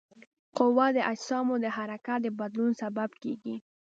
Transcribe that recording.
قوه د اجسامو د حرکت د بدلون سبب کیږي.